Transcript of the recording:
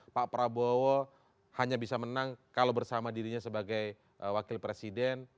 pak prabowo hanya bisa menang kalau bersama dirinya sebagai wakil presiden